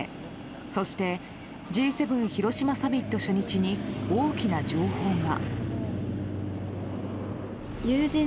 そして、Ｇ７広島サミット初日に大きな情報が。